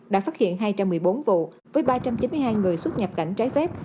đã phát hiện hai trăm một mươi bốn vụ với ba trăm chín mươi hai người xuất nhập cảnh trái phép